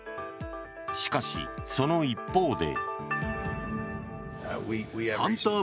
しかし、その一方で。